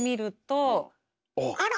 あら！